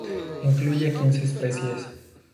Incluye quince especies.